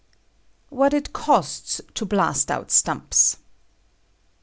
What it Costs to Blast Out Stumps.